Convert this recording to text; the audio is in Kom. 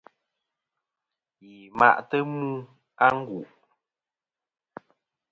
Yi ma'tɨ mu a ngu'.